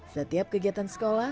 setiap kegiatan sekolah ini